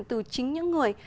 từ chính những người